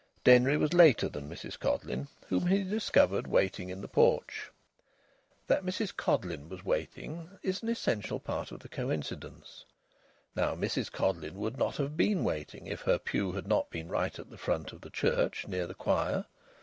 Denry was later than Mrs Codleyn, whom he discovered waiting in the porch. That Mrs Codleyn was waiting is an essential part of the coincidence. Now Mrs Codleyn would not have been waiting if her pew had not been right at the front of the church, near the choir.